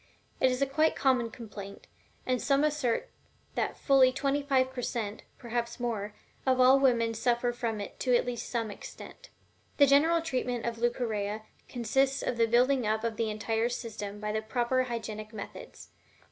It is a quite common complaint, and some assert that fully twenty five per cent (perhaps more) of all women suffer from it to at least some extent. The general treatment of Leucorrhea consists of the building up of the entire system by the proper hygienic methods.